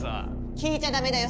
聞いちゃ駄目だよ